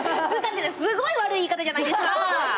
すごい悪い言い方じゃないですか！